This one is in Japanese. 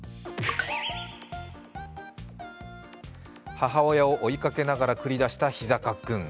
母親を追いかけながら繰り出した膝カックン。